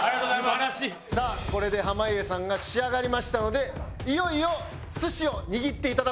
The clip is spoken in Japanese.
さあこれで濱家さんが仕上がりましたのでいよいよ寿司を握っていただこうと思います。